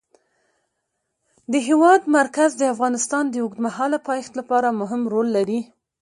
د هېواد مرکز د افغانستان د اوږدمهاله پایښت لپاره مهم رول لري.